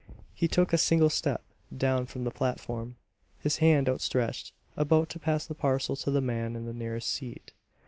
He took a single step down from the platform, his hand outstretched, about to pass the parcel to the man in the nearest seat.